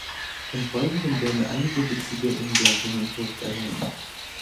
Im Folgenden werden einige wichtige Ungleichungen kurz erwähnt.